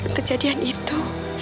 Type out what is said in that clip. bayangkan terjadian itu